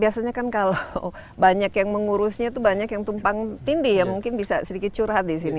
biasanya kan kalau banyak yang mengurusnya itu banyak yang tumpang tindih ya mungkin bisa sedikit curhat di sini